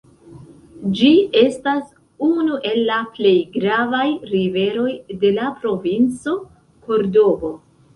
Ĝi estas unu el la plej gravaj riveroj de la provinco Kordobo.